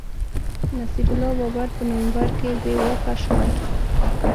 نصیر الله بابر په نومبر کي بې واکه شوی